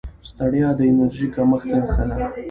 ستړیا د انرژۍ کمښت نښه ده